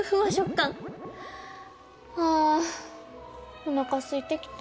あおなかすいてきた。